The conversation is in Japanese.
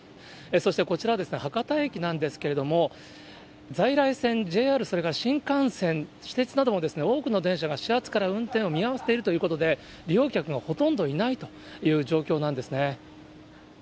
そしてこちら、博多駅なんですけれども、在来線、ＪＲ、それから新幹線、私鉄なども、多くの電車が始発から運転を見合わせているということで、利用客もほとんどいないという状況なんですね。